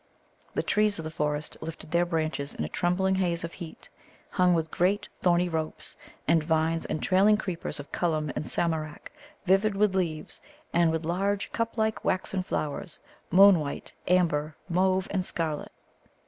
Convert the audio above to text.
The trees of the forest lifted their branches in a trembling haze of heat, hung with grey thorny ropes, and vines and trailing creepers of Cullum and Samarak, vivid with leaves, and with large cuplike waxen flowers, moon white, amber, mauve, and scarlet.